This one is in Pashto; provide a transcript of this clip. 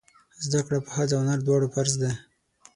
زده کړې په ښځه او نر دواړو فرض دی!